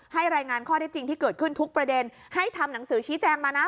รายงานข้อได้จริงที่เกิดขึ้นทุกประเด็นให้ทำหนังสือชี้แจงมานะ